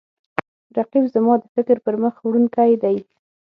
رقیب زما د فکر پرمخ وړونکی دی